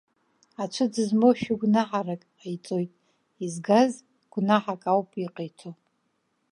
Ацәыӡ змоу шәыгәнаҳарак ҟаиҵоит, изгаз гәнаҳак ауп иҟаиҵо.